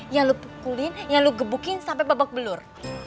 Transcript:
yang lu pukulin yang lu gebukin sampai babak belur